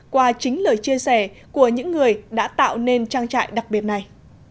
qua chính lời chia sẻ của những người đã tạo nên trang trại đặc biệt này